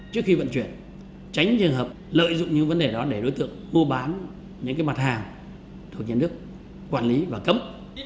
trước khi vận chuyển tránh trường hợp lợi dụng những vấn đề đó để đối tượng mua bán những cái mặt hàng thuộc nhân đức quản lý và cấm